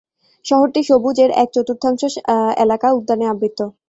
শহরটি সবুজ, এর এক চতুর্থাংশ এলাকা উদ্যানে আবৃত।